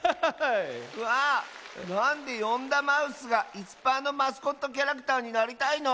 わあなんでヨンダマウスがいすパーのマスコットキャラクターになりたいの？